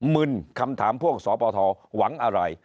มึนคำถามพวกสปทหวังอะไร